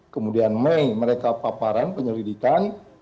kemudian mei mereka paparan penyelidikan